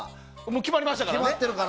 決まりましたからね。